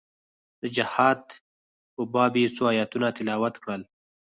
د جهاد په باب يې څو ايتونه تلاوت کړل.